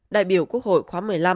đại biểu quốc hội khóa một mươi năm